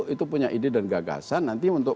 itu punya ide dan gagasan nanti untuk